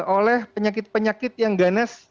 oleh penyakit penyakit yang ganas